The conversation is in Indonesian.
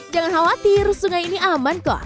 jangan khawatir sungai ini aman kok